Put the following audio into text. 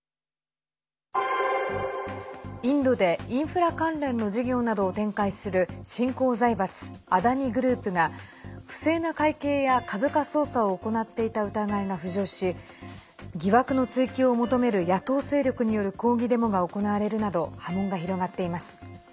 インドでインフラ関連の事業などを展開する新興財閥アダニ・グループが不正な会計や株価操作を行っていた疑いが浮上し疑惑の追及を求める野党勢力による抗議デモが行われるなど波紋が広がっています。